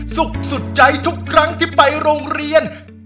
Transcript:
สุขสุดใจทุกครั้งที่ไปโรงเรียน